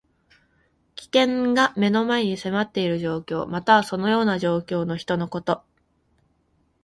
危険が目の前に迫っている状況。または、そのような状況の人のこと。